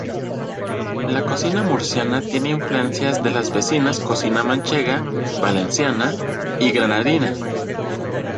La cocina murciana tiene influencias de las vecinas cocina manchega, valenciana y granadina.